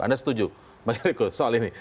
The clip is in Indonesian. anda setuju bang eriko soal ini